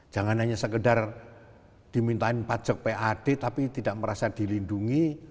jangan hanya sekedar dimintain pajak pad tapi tidak merasa dilindungi